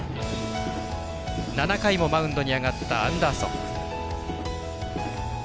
７回もマウンドに上がったアンダーソン。